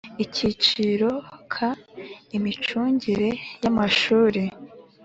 Akiciro ka Imicungire y amashuri